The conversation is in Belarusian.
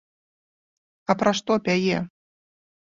А пра што пяе?